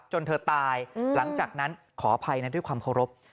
จนเธอตายหลังจากนั้นขออภัยนั้นด้วยความเคารพ